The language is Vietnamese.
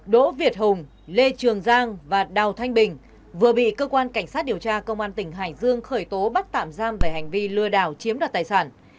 đỗ việt hùng lê trường giang và đào thanh bình vừa bị cơ quan cảnh sát điều tra công an tỉnh hải dương khởi tố bắt tạm giam về hành vi lừa đảo chiếm đoạt tài sản